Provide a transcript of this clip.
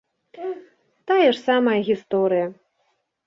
Тая ж самая гісторыя.